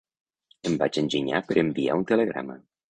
Em vaig enginyar per enviar un telegrama